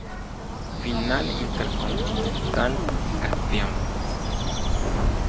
Final intercontinental Campeón